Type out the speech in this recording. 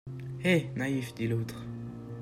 Eh ! naïfs, dit l'autre.